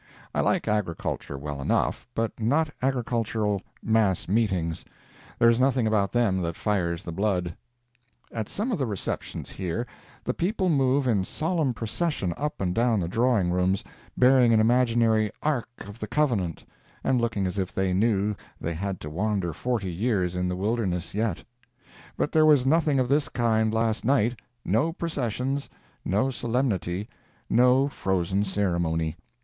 I like agriculture well enough, but not agricultural mass meetings. There is nothing about them that fires the blood. At some of the receptions here, the people move in solemn procession up and down the drawing rooms, bearing an imaginary Ark of the Covenant, and looking as if they knew they had to wander forty years in the wilderness, yet; but there was nothing of this kind last night—no processions, no solemnity, no frozen ceremony.